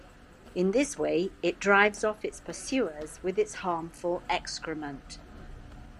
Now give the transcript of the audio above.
In this way, it drives off its pursuers with its harmful excrement.